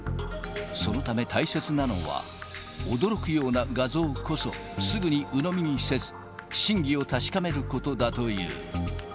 そのため、大切なのは、驚くような画像こそ、すぐにうのみにせず、真偽を確かめることだという。